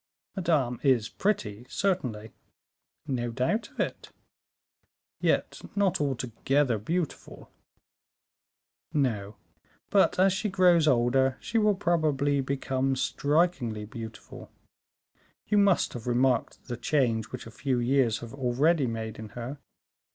'" "Madame is pretty, certainly." "No doubt of it." "Yet not altogether beautiful." "No, but as she grows older, she will probably become strikingly beautiful. You must have remarked the change which a few years have already made in her.